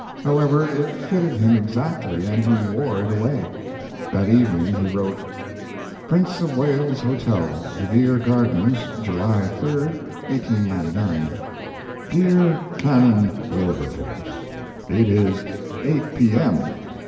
However, it fitted him exactly and he wore it away. That evening he wrote: PRINCE OF WALES HOTEL, DE VERE GARDENS, July,3, 1899. DEAR CANON WILBERFORCE, It is 8 P.M.